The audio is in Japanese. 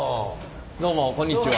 どうもこんにちは。